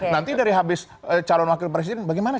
nanti dari habis calon wakil presiden bagaimana